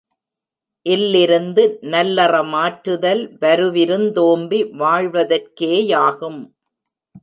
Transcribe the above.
இல்லிருந்து நல்லறமாற்றுதல், வருவிருந் தோம்பி வாழ்வதற்கேயாகும்.